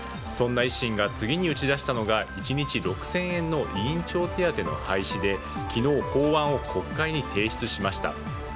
そんな維新が次に打ち出したのが１日６０００円の委員長手当の廃止で昨日法案を国会に提出しました。